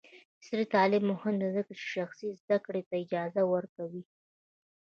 عصري تعلیم مهم دی ځکه چې شخصي زدکړې ته اجازه ورکوي.